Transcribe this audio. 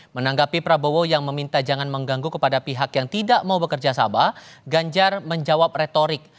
menanggapi prabowo yang meminta jangan mengganggu kepada pihak yang tidak mau bekerja sama ganjar menjawab retorik